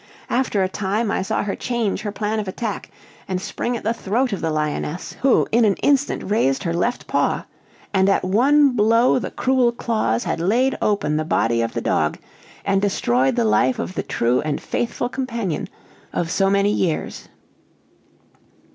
After a time, I saw her change her plan of attack, and spring at the throat of the lioness; who, in an instant, raised her left paw, and at one blow the cruel claws had laid open the body of the dog, and destroyed the life of the true and faithful companion of so many years.